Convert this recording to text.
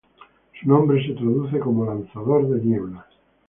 Su nombre se traduce como lanzador de niebla.